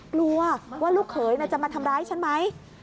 กลัวว่าลูกเขยจะมาทำร้ายฉันไหม